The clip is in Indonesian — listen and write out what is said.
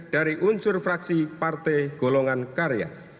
dari unsur fraksi partai golongan karya